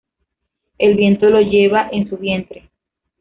El Viento lo lleva en su vientre.